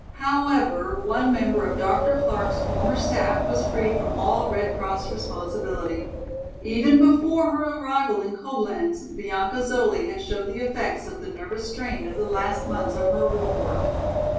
However, one member of Dr. Clark's former staff was freed from all Red Cross responsibility. Even before her arrival in Coblenz, Bianca Zoli had showed the effects of the nervous strain of the last months of her war work.